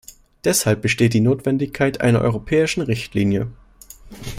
Deshalb besteht die Notwendigkeit einer europäischen Richtlinie.